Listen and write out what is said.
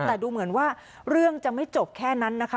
แต่ดูเหมือนว่าเรื่องจะไม่จบแค่นั้นนะคะ